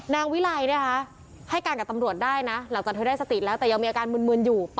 นางวิลัยเนี้ยคะให้กันกับตำรวจได้นะหลับจากเธอได้สติดแล้วแต่ยังมีอาการเมือนอยู่